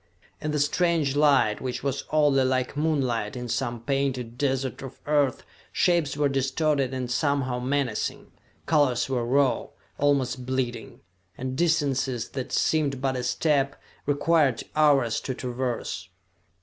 In the strange light, which was oddly like moonlight in some painted desert of Earth, shapes were distorted and somehow menacing, colors were raw, almost bleeding and distances that seemed but a step required hours to traverse.